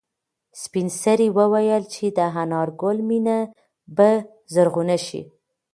سپین سرې وویل چې د انارګل مېنه به زرغونه شي.